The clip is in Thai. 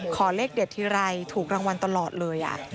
ขอเลขเด็ดทีไรถูกรางวัลตลอดเลย